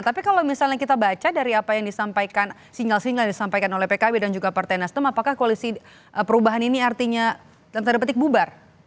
tapi kalau misalnya kita baca dari apa yang disampaikan sinyal sinyal yang disampaikan oleh pkb dan juga partai nasdem apakah koalisi perubahan ini artinya dalam tanda petik bubar